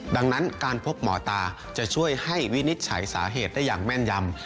ดังนั้นการพบหมอตาจะช่วยให้วินิจฉัยสาเหตุได้อย่างแม่นยำ